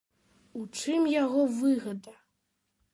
У чым яго выгада?